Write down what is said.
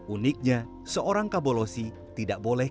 uniknya seorang kabolosi tidak boleh